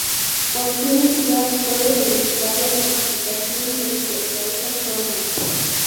Cualquier entidad puede solicitar la certificación respecto a esas normas.